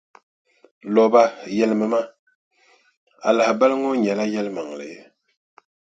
Louba yɛlimi ma, a lahabali ŋɔ nyɛla yɛlimaŋli?